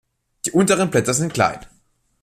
Die unteren Blätter sind klein.